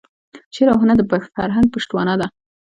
شعر او هنر د فرهنګ پشتوانه ده.